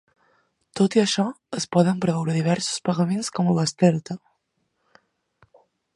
Tot i això, es poden preveure diversos pagaments com a bestreta.